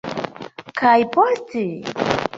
Kaj poste?